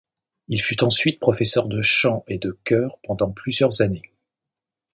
Il fut ensuite professeur de chant et de chœurs pendant plusieurs années.